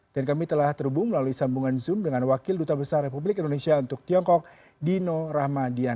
dan kami telah terhubung melalui sambungan zoom dengan wakil duta besar republik indonesia untuk tiongkok dino rahmadiana